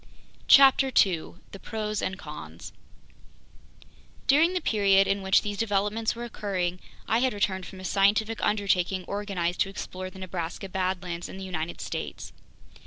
CHAPTER 2 The Pros and Cons DURING THE PERIOD in which these developments were occurring, I had returned from a scientific undertaking organized to explore the Nebraska badlands in the United States.